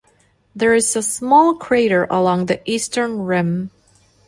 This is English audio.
There is a small crater along the eastern rim.